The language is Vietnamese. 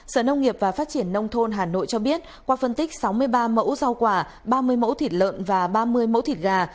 sở nông nghiệp và phát triển nông thôn hà nội cho biết qua phân tích sáu mươi ba mẫu rau quả ba mươi mẫu thịt lợn và ba mươi mẫu thịt gà